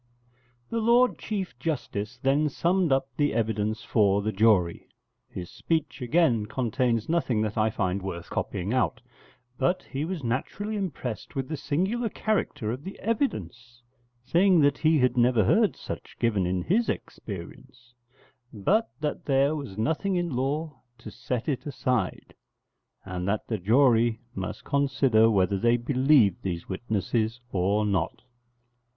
] The Lord Chief Justice then summed up the evidence for the jury. His speech, again, contains nothing that I find worth copying out: but he was naturally impressed with the singular character of the evidence, saying that he had never heard such given in his experience; but that there was nothing in law to set it aside, and that the jury must consider whether they believed these witnesses or not.